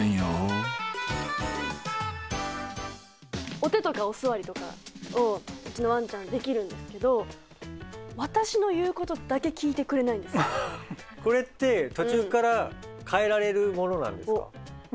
お手とかお座りとかをうちのワンちゃんできるんですけどこれって途中から変えられるものなんですか？